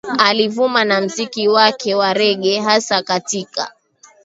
Alivuma na mziki wake wa Rege hasa katika